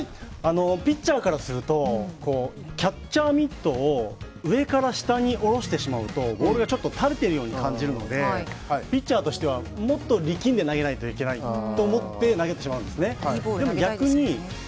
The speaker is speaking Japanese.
ピッチャーからすると、キャッチャーミットを上から下におろしてしまうとボールが垂れているように感じるのでピッチャーとしては、もっと力まなければと思って投げてしまうと。